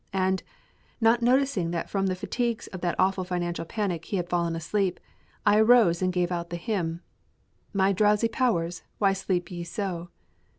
And, not noticing that from the fatigues of that awful financial panic he had fallen asleep, I arose and gave out the hymn, "My drowsy powers, why sleep ye so?"